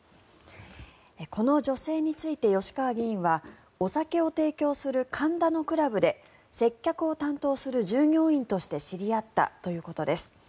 この女性について吉川議員はお酒を提供する神田のクラブで接客を担当する従業員として知り合ったということです。